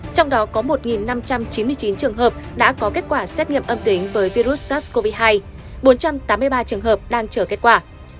trong đó có một năm trăm chín mươi chín trường hợp đã có kết quả xét nghiệm âm tính với virus sars cov hai bốn trăm tám mươi ba trường hợp đang chờ kết quả